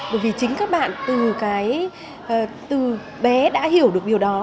bởi vì chính các bạn từ bé đã hiểu được điều đó